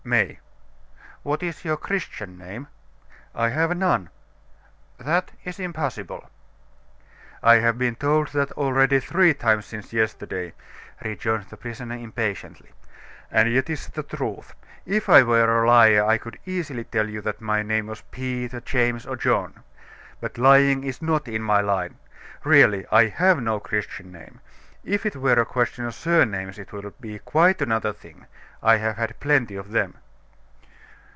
"May." "What is your Christian name?" "I have none." "That is impossible." "I have been told that already three times since yesterday," rejoined the prisoner impatiently. "And yet it's the truth. If I were a liar, I could easily tell you that my name was Peter, James, or John. But lying is not in my line. Really, I have no Christian name. If it were a question of surnames, it would be quite another thing. I have had plenty of them."